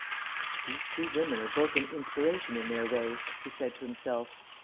"These two women are both an inspiration in their way," he said to himself.